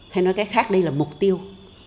hay nói cách khác đây là mục tiêu